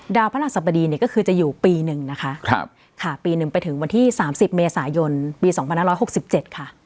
พระราชสบดีเนี่ยก็คือจะอยู่ปีหนึ่งนะคะค่ะปีหนึ่งไปถึงวันที่๓๐เมษายนปี๒๕๖๗ค่ะ